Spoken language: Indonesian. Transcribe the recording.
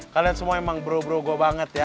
kalian semua emang bro bro gua banget ya